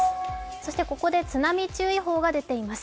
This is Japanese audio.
そしてここで津波注意報が出ています。